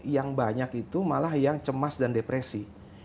yang banyak itu malah yang cemas dan depresi